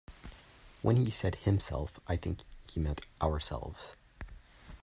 When he said himself I think he meant ourselves.